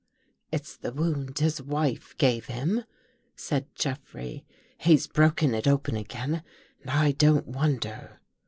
" It's the wound his wife gave him," said Jeff rey. " He's broken It open again and I don't wonder."